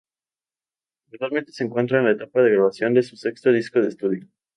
Actualmente se encuentran en la etapa de grabación de su sexto disco de estudio.